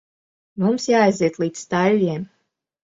Mums jāaiziet līdz staļļiem.